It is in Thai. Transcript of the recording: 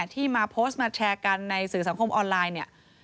ที่มาโพสต์มาแชร์กันในสื่อสังคมออนไลน์เนี่ย